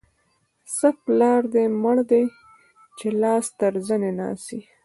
څه پلار دې مړ دی؛ چې لاس تر زنې ناست يې.